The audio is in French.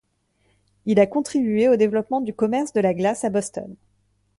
Il a contribué au développement du commerce de la glace à Boston.